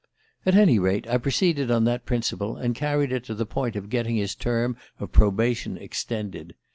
"At any rate, I proceeded on that principle, and carried it to the point of getting his term of probation extended.